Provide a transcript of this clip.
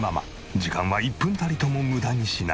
時間は１分たりとも無駄にしない。